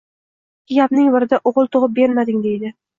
Ikki gapning birida O`g`il tug`ib bermading, deydi